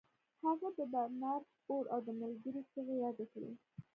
هغه د برنر اور او د ملګري چیغې یادې کړې